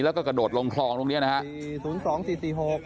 แล้วก็โดดลงทองตรงนี้นะครับ